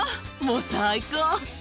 もう最高！